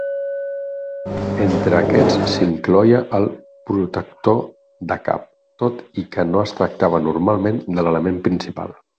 Entre aquests s'incloïa el protector de cap, tot i que no es tractava normalment de l'element principal.